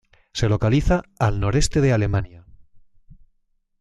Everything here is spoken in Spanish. Se localiza al noreste de Alemania.